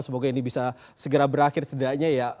semoga ini bisa segera berakhir setidaknya ya